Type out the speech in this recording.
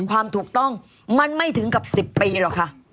ความถูกต้องมันไม่ถึงกับ๑๐ปีหรอกค่ะ